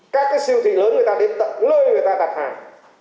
các cái siêu thị lớn người ta đến tận lơi người ta tạp hàng